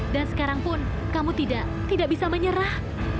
dan sekarangpun kamu tidak tidak bisa menyerah